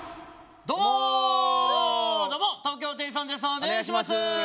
お願いします。